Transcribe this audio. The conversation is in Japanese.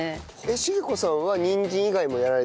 成子さんはにんじん以外もやられてるんですか？